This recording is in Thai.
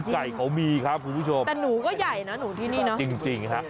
ใหญ่จริงแต่หนูก็ใหญ่นะหนูที่นี่เนอะจริงครับ